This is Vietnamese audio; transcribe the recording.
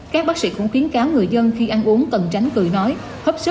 các bác sĩ cũng khiến cáo người dân khi ăn uống cần tránh cười nói hấp xúc hầm xương nên cẩn thận